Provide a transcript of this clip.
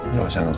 jadi siapa pak